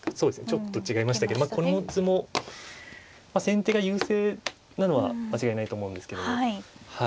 ちょっと違いましたけどこの図も先手が優勢なのは間違いないと思うんですけど。